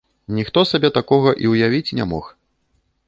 Ніхто сабе такога і ўявіць не мог.